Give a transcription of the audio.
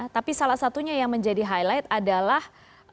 tapi salah satunya yang menjadi highlight adalah